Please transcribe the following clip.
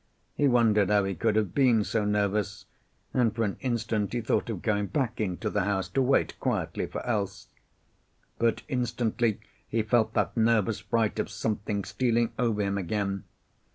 He wondered how he could have been so nervous, and for an instant he thought of going back into the house to wait quietly for Else. But instantly he felt that nervous fright of something stealing over him again.